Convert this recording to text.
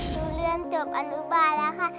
ดูเรื่องจบอนุบาลแล้วค่ะ